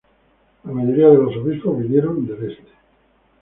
La mayoría de los obispos vinieron del este.